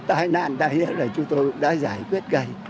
cái nạn này chúng tôi đã giải quyết